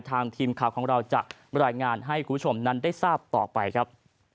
ทีมข่าวของเราจะรายงานให้คุณผู้ชมนั้นได้ทราบต่อไปครับ